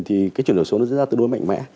thì cái truyền đổi số nó sẽ ra tự đối mạnh mẽ